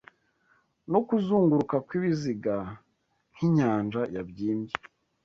no kuzunguruka kw'ibiziga, Nk'inyanja yabyimbye